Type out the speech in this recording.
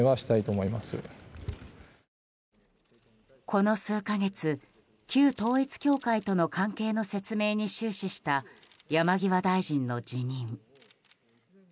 この数か月旧統一教会との関係の説明に終始した、山際大臣の辞任。